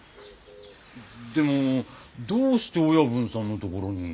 でもどうして親分さんの所に。